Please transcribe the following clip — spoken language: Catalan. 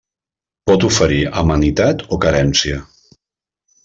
Pot oferir amenitat o carència.